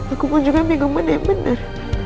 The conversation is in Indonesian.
aku pun juga bingung banget yang bener